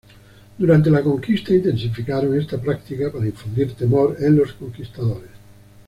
Durante la conquista intensificaron esta práctica para infundir temor en los conquistadores.